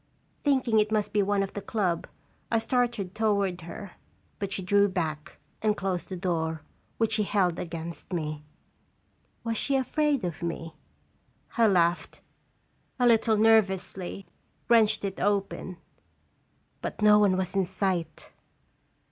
Thinking it must be one of the club, I started toward her, but she drew back and closed the door, which she held against me. Was she afraid of me? I laughed, a little nervously, wrenched it open but no one was in sight!